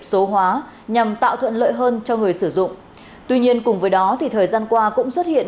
số hóa nhằm tạo thuận lợi hơn cho người sử dụng tuy nhiên cùng với đó thì thời gian qua cũng xuất hiện